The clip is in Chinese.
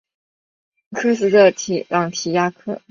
科斯的朗提亚克。